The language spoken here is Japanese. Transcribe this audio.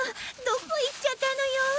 どこいっちゃったのよ！